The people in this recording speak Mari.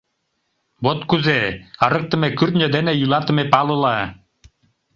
«Вот кузе, ырыктыме кӱртньӧ дене йӱлатыме палыла